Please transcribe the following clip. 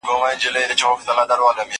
کتابتون د مور له خوا پاک ساتل کيږي!